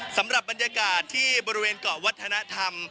สำหรับบรรยากาศที่บริเวณเกาะวัฒนธรรม